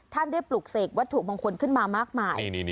ท่านได้ปลุกเสกวัตถุมงคลขึ้นมามากมาย